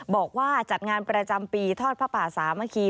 บอกว่าจัดงานประจำปีทอดพระป่าสามัคคี